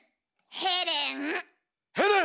ヘレン！